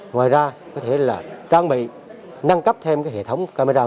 ngoài ra có thể là trang bị nâng cấp thêm hệ thống camera